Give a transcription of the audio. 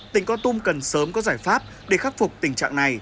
tỉnh co tum cần sớm có giải pháp để khắc phục tình trạng